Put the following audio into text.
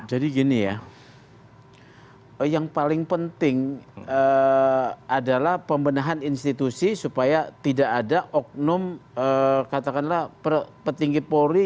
jadi gini ya yang paling penting adalah pembenahan institusi supaya tidak ada oknum katakanlah petinggi polri